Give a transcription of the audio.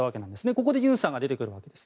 ここでユンさんが出てくるわけです。